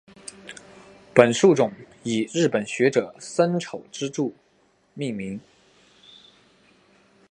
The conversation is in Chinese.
本树种以日本学者森丑之助命名。